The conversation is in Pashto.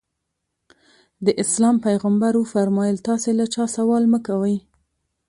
د اسلام پیغمبر وفرمایل تاسې له چا سوال مه کوئ.